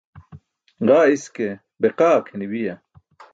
Ġaa iske be qaa akʰeybiya.